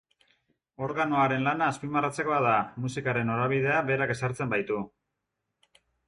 Organoaren lana azpimarratzekoa da, musikaren norabidea berak ezartzen baitu.